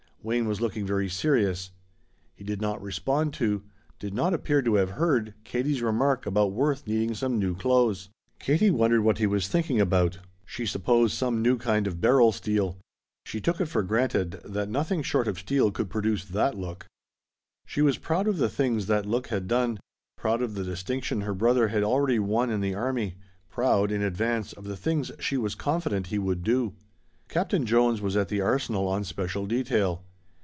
Wayne was looking very serious. He did not respond to did not appear to have heard Katie's remark about Worth needing some new clothes. Katie wondered what he was thinking about; she supposed some new kind of barrel steel. She took it for granted that nothing short of steel could produce that look. She was proud of the things that look had done, proud of the distinction her brother had already won in the army, proud, in advance, of the things she was confident he would do. Captain Jones was at the Arsenal on special detail.